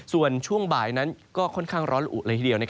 ส่วนช่วงบ่ายนั้นก็ค่อนข้างร้อนละอุเลยทีเดียว